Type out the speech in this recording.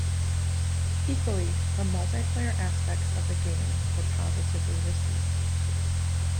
Equally, the multiplayer aspects of the game were positively received.